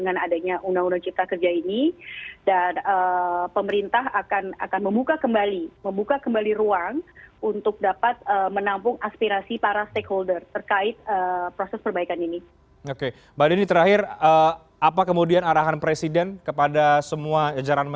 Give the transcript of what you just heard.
dan di dalam situ sebetulnya kita harus memperhatikan semua perubahan yang ada